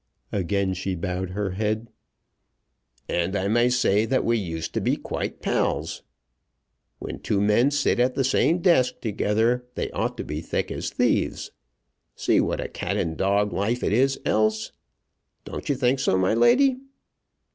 Again she bowed her head. "And I may say that we used to be quite pals. When two men sit at the same desk together they ought to be thick as thieves. See what a cat and dog life it is else! Don't you think so, my lady?"